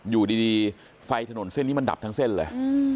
อยู่ดีไฟถนนเส้นนี้มันดับทั้งเส้นเลย